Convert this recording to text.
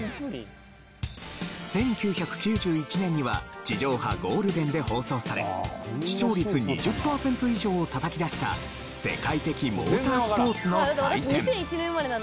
１９９１年には地上波ゴールデンで放送され視聴率２０パーセント以上をたたき出した世界的モータースポーツの祭典。